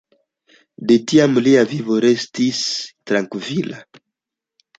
De tiam lia vivo restis trankvila.